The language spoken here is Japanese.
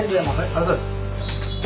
ありがとうございます。